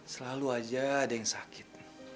selalu aja ada yang sakit